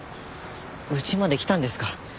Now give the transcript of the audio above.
家まで来たんですか？